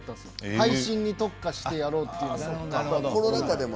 配信に特化してやろうって。